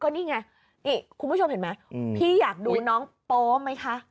นี่ไงนี่คุณผู้ชมเห็นไหมพี่อยากดูน้องโป๊ไหมคะ